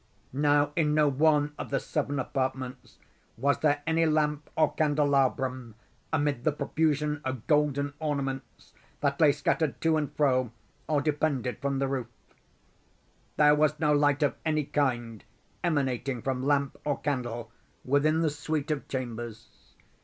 Now in no one of the seven apartments was there any lamp or candelabrum, amid the profusion of golden ornaments that lay scattered to and fro or depended from the roof. There was no light of any kind emanating from lamp or candle within the suite of chambers.